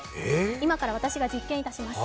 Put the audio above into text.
今から私が実験いたします。